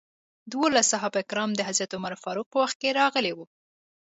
دولس صحابه کرام د حضرت عمر فاروق په وخت کې راغلي وو.